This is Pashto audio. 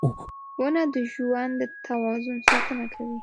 • ونه د ژوند د توازن ساتنه کوي.